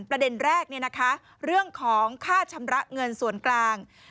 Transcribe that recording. ประเด็นแรกเรื่องของค่าชำระเงินส่วนกลาง